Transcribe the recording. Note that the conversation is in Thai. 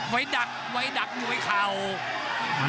ไว้ดักอยู่ไว้เข่า